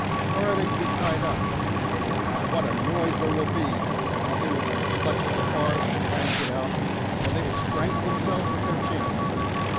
Or are they to be tied up? Anyhow, what a noise there will be, and how they will clutch at the bars and try and get out, or they will strangle themselves with their chains."